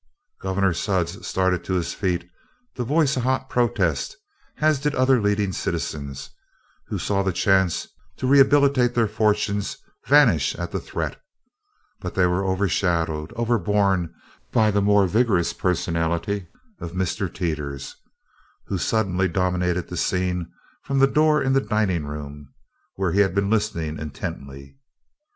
Gov'nor Sudds started to his feet to voice a hot protest, as did other leading citizens who saw the chance to rehabilitate their fortunes vanish at the threat, but they were overshadowed, overborne by the more vigorous personality of Mr. Teeters, who suddenly dominated the scene from the door of the dining room where he had been listening intently.